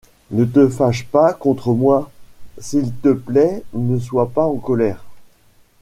Ne te fâche contre moi, s'il te plaît ne soit pas en colère.